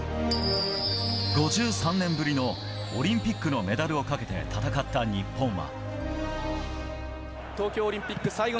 ５３年ぶりのオリンピックのメダルをかけて戦った日本は。